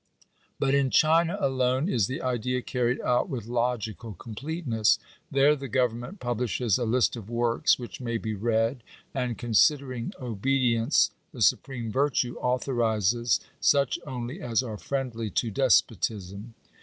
But in China alone is the idea carried out with logical completeness. There the government publishes a list of works which may be read ; and considering obedience the supreme virtue, authorizes such only as are friendly to des potism.